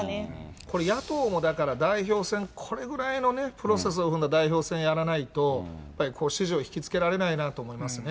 これ野党もだから、代表選、これぐらいのね、プロセスを踏んだ代表選やらないと、やっぱり支持を引きつけられないなと思いますね。